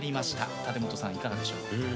立本さん、いかがでしょうか？